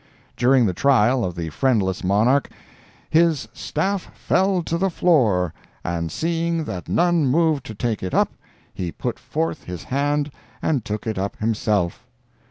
During the trial of the friendless monarch, "his staff fell to the floor, and seeing that none moved to take it up, he put forth his hand and took it up himself."